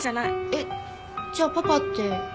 えっじゃあパパって。